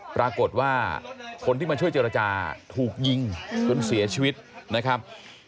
ปรากฏว่าคนที่มาช่วยเจรจาถูกยิงจนเสียชีวิตนะครับ